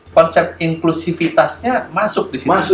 konsep inklusifitasnya masuk di sini